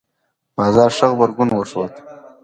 بازار ښه غبرګون وښود.